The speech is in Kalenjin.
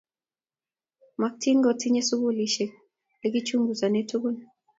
maktin kotinyei sukulisiek lekichunguzane tukun